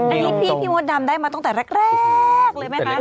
อันนี้พี่มดดำได้มาตั้งแต่แรกเลยไหมคะ